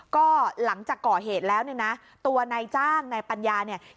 ก็หลังจากก่อเหตุแล้วเนี่ยนะตัวนายจ้างนายปัญญาเนี่ย